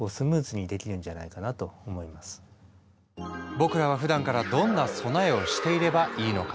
僕らはふだんからどんな備えをしていればいいのか。